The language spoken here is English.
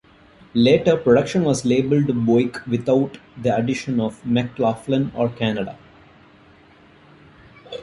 Later production was labelled Buick without the addition of McLaughlin or Canada.